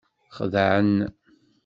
Xeddɛen.